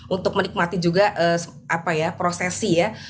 untuk menikmati juga prosesi ya